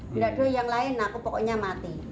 tidak dulu yang lain aku pokoknya mati